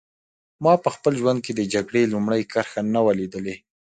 ما په خپل ژوند کې د جګړې لومړۍ کرښه نه وه لیدلې